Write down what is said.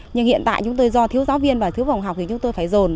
nhưng hiện tại chúng tôi do thiếu giáo viên và thiếu phòng học thì chúng tôi phải dồn